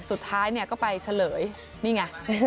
สุดท้ายก็ไปเฉลยนี่ไง